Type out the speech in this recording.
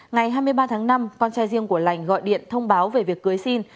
ngày hai mươi ba tháng năm con trai riêng của lành gọi điện thông báo về việc cưới xin